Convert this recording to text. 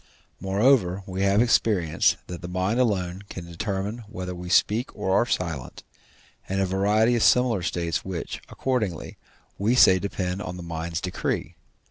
Moreover, we have experience, that the mind alone can determine whether we speak or are silent, and a variety of similar states which, accordingly, we say depend on the mind's decree.